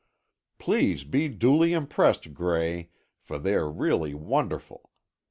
"Please be duly impressed, Gray, for they are really wonderful.